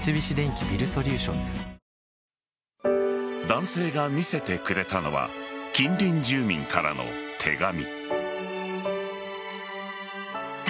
男性が見せてくれたのは近隣住民からの手紙。